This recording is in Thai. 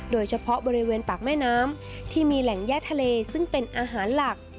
โดยเฉพาะบริเวณปากแม่น้ำที่มีแหล่งย่าทะเลซึ่งเป็นอาหารหลัก